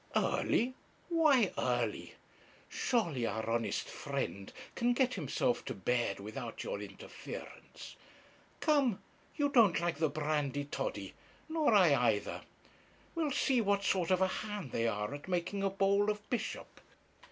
'Early why early? surely our honest friend can get himself to bed without your interference. Come, you don't like the brandy toddy, nor I either. We'll see what sort of a hand they are at making a bowl of bishop.'